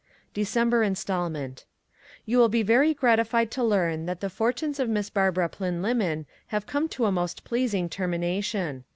DECEMBER INSTALMENT You will be very gratified to learn that the fortunes of Miss Barbara Plynlimmon have come to a most pleasing termination.